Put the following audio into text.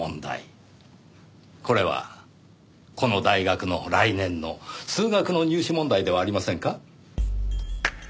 これはこの大学の来年の数学の入試問題ではありませんか？